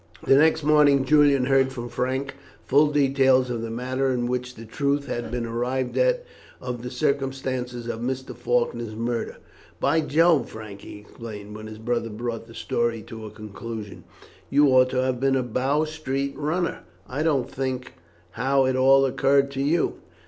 The next morning Julian heard from Frank full details of the manner in which the truth had been arrived at of the circumstances of Mr. Faulkner's murder. "By Jove! Frank," he exclaimed, when his brother brought the story to a conclusion; "you ought to have been a Bow Street runner. I can't think how it all occurred to you.